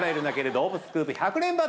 動物スクープ１００連発」